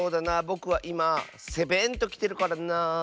ぼくはいまセベンときてるからなあ。